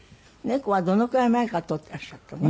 猫はどのくらい前から撮っていらっしゃったの？